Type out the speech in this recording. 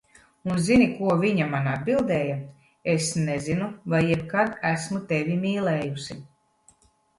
Un zini, ko viņa man atbildēja, "Es nezinu, vai jebkad esmu tevi mīlējusi."